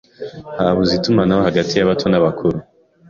Habuze itumanaho hagati yabato n'abakuru.